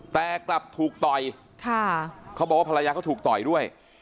แต่กลับถูกต่อยเขาบอกว่าภรรยาเขาถูกต่อยด้วย